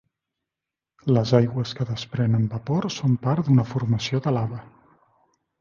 Les aigües que desprenen vapor són part d'una formació de lava.